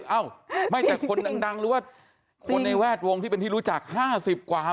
เอ้าไม่แต่คนดังหรือว่าคนในแวดวงที่เป็นที่รู้จัก๕๐กว่า